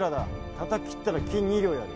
たたき斬ったら金２両やる。